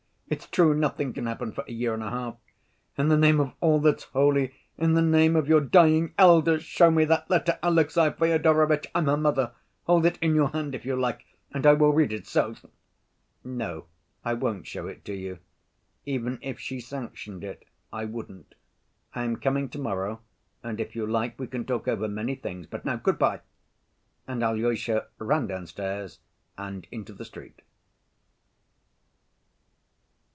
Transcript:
It's true nothing can happen for a year and a half. In the name of all that's holy, in the name of your dying elder, show me that letter, Alexey Fyodorovitch. I'm her mother. Hold it in your hand, if you like, and I will read it so." "No, I won't show it to you. Even if she sanctioned it, I wouldn't. I am coming to‐morrow, and if you like, we can talk over many things, but now good‐by!" And Alyosha ran downstairs and into the street.